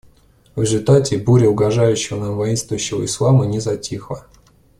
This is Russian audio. В результате буря угрожающего нам воинствующего ислама не затихла.